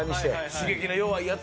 刺激の弱いやつで。